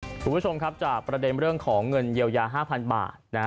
คุณผู้ชมครับจากประเด็นเรื่องของเงินเยียวยา๕๐๐๐บาท